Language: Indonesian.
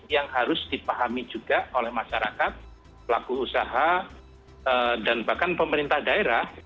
yang harus dipahami juga oleh masyarakat pelaku usaha dan bahkan pemerintah daerah